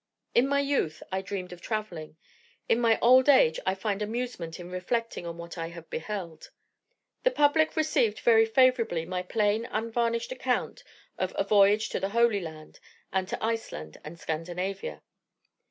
In my youth I dreamed of travelling in my old age I find amusement in reflecting on what I have beheld. The public received very favourably my plain unvarnished account of "A Voyage to the Holy Land, and to Iceland and Scandinavia."